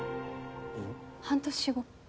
半年後。